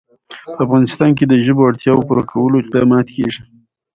په افغانستان کې د ژبو اړتیاوو پوره کولو اقدامات کېږي.